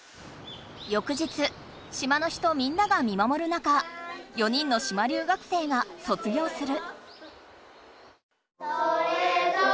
よく日島の人みんなが見まもる中４人の島留学生が卒業する。